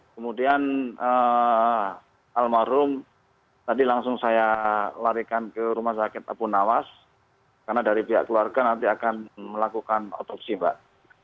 kemudian almarhum tadi langsung saya larikan ke rumah sakit abu nawas karena dari pihak keluarga nanti akan melakukan otopsi mbak